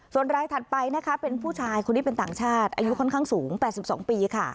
ส่วนรายถัดไปนะคะเป็นผู้ชายคนนี้เป็นต่างชาติอายุค่อนข้างสูง๘๒ปีค่ะ